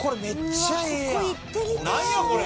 何やこれ！